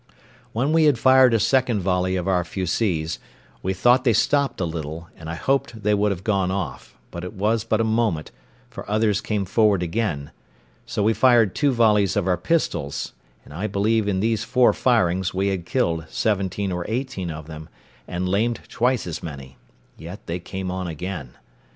When we had fired a second volley of our fusees, we thought they stopped a little, and I hoped they would have gone off, but it was but a moment, for others came forward again; so we fired two volleys of our pistols; and I believe in these four firings we had killed seventeen or eighteen of them, and lamed twice as many, yet they came on again.